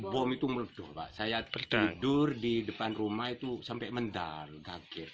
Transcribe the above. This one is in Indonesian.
bom itu meldo pak saya tidur di depan rumah itu sampai mendar kaget